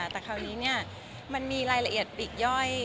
แต่คราวนี้มันมีรายละเอียดปลีกย่อย